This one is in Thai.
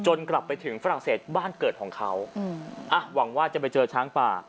กลับไปถึงฝรั่งเศสบ้านเกิดของเขาอ่ะหวังว่าจะไปเจอช้างป่า